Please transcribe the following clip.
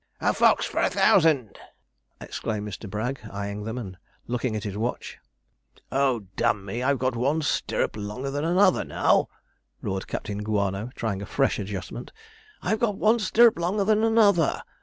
'A fox for a thousand!' exclaimed Mr. Bragg, eyeing them, and looking at his watch. 'Oh, d mn me! I've got one stirrup longer than another now!' roared Captain Guano, trying the fresh adjustment. 'I've got one stirrup longer than another!'